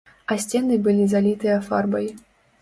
А сцены былі залітыя фарбай.